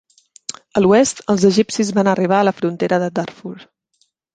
A l"oest, els egipcis van arribar a la frontera de Darfur.